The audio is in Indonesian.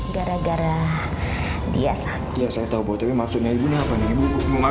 gara gara dia sangat ya saya tahu buat maksudnya ibu apa nih maksudmu apa